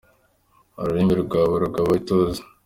Ururimi rwawe rugaba ituze